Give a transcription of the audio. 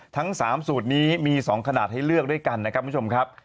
ทั้ง๓สูตรนี้มี๒ขนาดให้เลือกด้วยกันนะครับคุณผู้ชมครับ